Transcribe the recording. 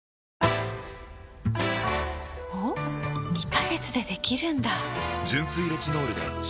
２カ月でできるんだ！